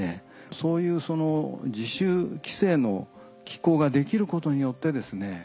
そういうその自主規制の機構ができることによってですね